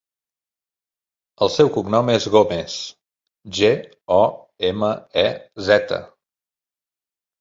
El seu cognom és Gomez: ge, o, ema, e, zeta.